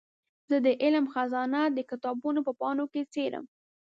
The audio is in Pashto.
زه د علم خزانه د کتابونو په پاڼو کې څېړم.